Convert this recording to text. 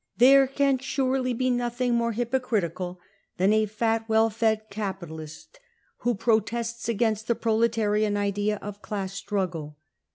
55 44 There can surely be nothing more hypocritical than a fat, well fed capitalist who protests against the pro letarian idea of class struggle.